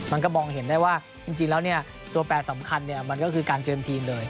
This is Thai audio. มันก็มองเห็นได้ว่าจริงแล้วตัวแปรสำคัญมันก็คือการเตรียมทีมเลย